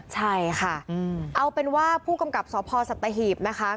ใช่ค่ะเอาเป็นว่าผู้กำกับสพสัตหีบนะคะ